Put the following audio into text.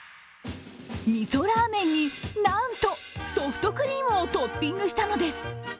みそラーメンになんとソフトクリームをトッピングしたのです。